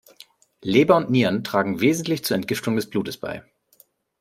Leber und Nieren tragen wesentlich zur Entgiftung des Blutes bei.